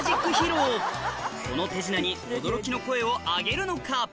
この手品に驚きの声を上げるのか？